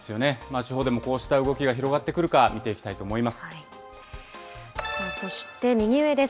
地方でもこうした動きが広がってくるか、見ていきたいと思います。